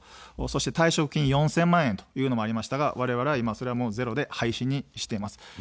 そして退職金４０００万円というのがありましたがわれわれはいま、ゼロで廃止にしています。